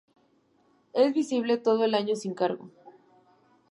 Es visitable todo el año sin cargo.